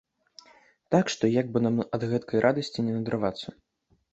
Так што, як бы нам ад гэткай радасці не надарвацца.